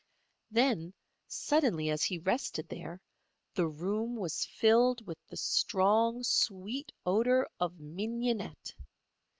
Then, suddenly, as he rested there, the room was filled with the strong, sweet odour of mignonette.